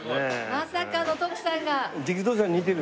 まさかの徳さんが。